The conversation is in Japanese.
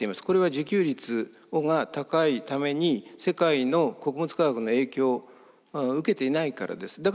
これは自給率が高いために世界の穀物価格の影響を受けていないからです。